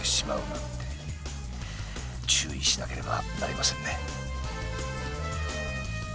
注意しなければなりませんね。